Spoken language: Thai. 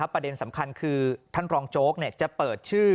ประเด็นสำคัญคือท่านรองโจ๊กจะเปิดชื่อ